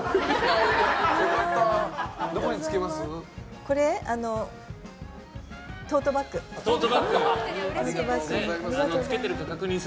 どこに着けます？